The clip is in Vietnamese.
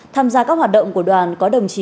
tham gia các hoạt động của đoàn có đồng chí